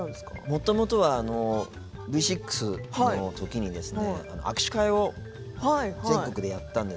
もともとは、Ｖ６の時に握手会を全国でやったんです。